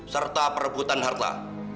serta perebutan harta